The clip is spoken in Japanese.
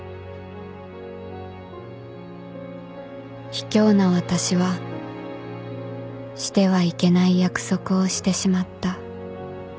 ひきょうな私はしてはいけない約束をしてしまった